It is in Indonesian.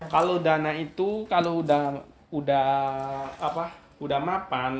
kalau dana itu kalau udah mapan